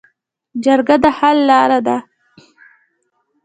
جرګه د حل لاره ده